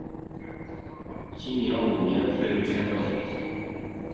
熙宁五年废入襄州。